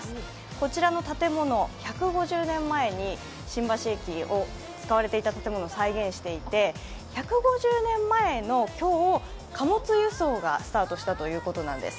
こちらの建物、１５０年前に新橋駅で使われていた建物を再現してまして１５０年前の今日、貨物輸送がスタートしたということなんです。